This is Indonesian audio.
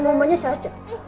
mamanya sehat aja tuh